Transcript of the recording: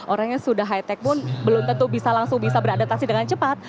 orang yang sudah high tech pun belum tentu bisa langsung bisa beradaptasi dengan cepat